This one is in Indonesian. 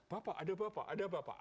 bapak ada bapak ada bapak